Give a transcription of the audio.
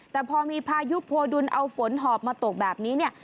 แต่พอมีพายุโพดุลเอาฝนหอบมาตกแบบนี้เนี่ย